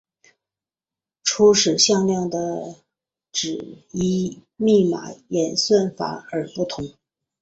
初始向量的值依密码演算法而不同。